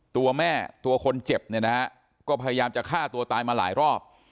ตัวแม่ตัวคนเจ็บเนี่ยนะฮะก็พยายามจะฆ่าตัวตายมาหลายรอบ